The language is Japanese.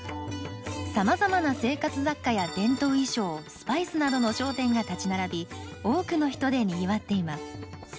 さまざまな生活雑貨や伝統衣装スパイスなどの商店が立ち並び多くの人でにぎわっています。